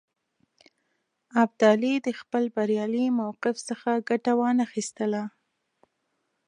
ابدالي د خپل بریالي موقف څخه ګټه وانه خیستله.